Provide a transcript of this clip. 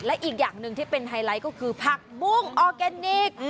และอีกอย่างหนึ่งที่เป็นไฮไลท์ก็คือผักบุ้งออร์แกนิค